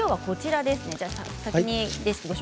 こちらですね。